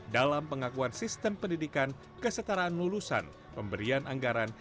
dalam pengakuan sistem pendidikan kesetaraan lulusan pemberian anggaran